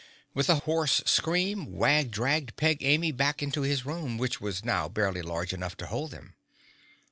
With a hoarse scream Wag dragged Peg Amy back into his room, which was now barely large enough to hold them.